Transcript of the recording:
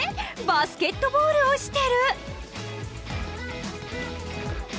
バスケットボールをしてる！